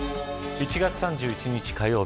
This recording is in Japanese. １月３１日、火曜日